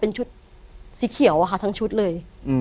เป็นชุดสีเขียวอะค่ะทั้งชุดเลย